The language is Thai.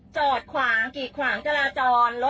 จอดขวางกีดขวางจราจร